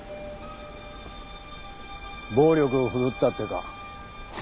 暴力を振るったってか。